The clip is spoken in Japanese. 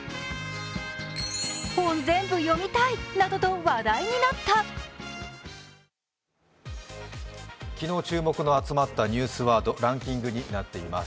本、全部読みたいどと話題になった昨日注目の集まったニュースワード、ランキングになっています。